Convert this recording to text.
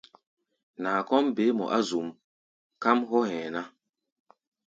Naa kɔ́ʼm beé mɔ á zuʼm, káʼm hɔ́ hɛ̧ɛ̧ ná.